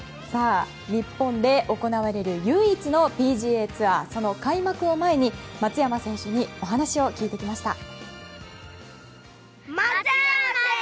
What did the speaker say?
日本で行われる唯一のＰＧＡツアーその開幕を前に、松山選手にお話を聞いてきました。